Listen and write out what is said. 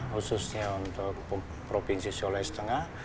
khususnya untuk provinsi sulawesi tengah